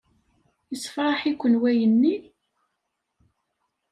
Yessefṛaḥ-iken wayenni?